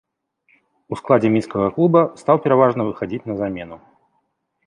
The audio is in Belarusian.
У складзе мінскага клуба стаў пераважна выхадзіць на замену.